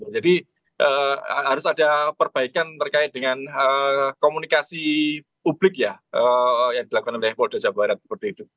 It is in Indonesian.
jadi harus ada perbaikan terkait dengan komunikasi publik ya yang dilakukan oleh boda jawa barat seperti itu